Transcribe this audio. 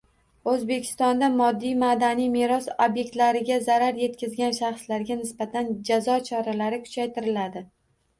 O‘zbekistonda moddiy madaniy meros obyektlariga zarar yetkazgan shaxslarga nisbatan jazo choralari kuchaytiriladi